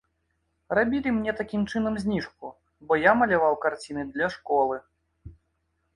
Рабілі мне такім чынам зніжку, бо я маляваў карціны для школы.